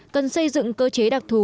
cần xây dựng cơ chế đặc thù